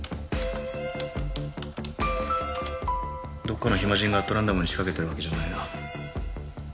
どっかの暇人がアットランダムに仕掛けてるわけじゃないな。